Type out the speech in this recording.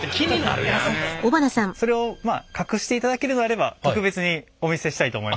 それをまあ隠していただけるのであれば特別にお見せしたいと思います。